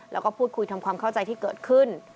แล้วก็พูดคุยทำความเข้าใจที่เกิดขึ้น